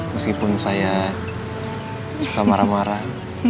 meskipun saya suka marah marah